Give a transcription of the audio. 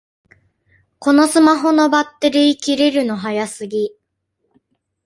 このスマホのバッテリー切れるの早すぎ